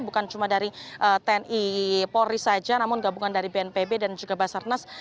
bukan cuma dari tni polri saja namun gabungan dari bnpb dan juga basarnas